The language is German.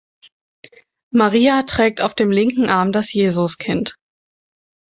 Maria trägt auf dem linken Arm das Jesuskind.